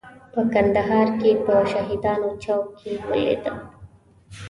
په کندهار کې په شهیدانو چوک کې ولیده.